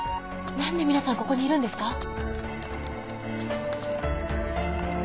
何で皆さんここにいるんですか？